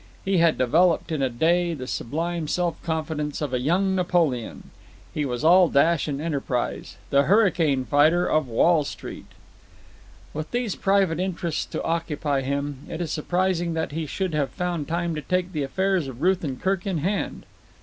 He had developed in a day the sublime self confidence of a young Napoleon. He was all dash and enterprise—the hurricane fighter of Wall Street. With these private interests to occupy him, it is surprising that he should have found time to take the affairs of Ruth and Kirk in hand.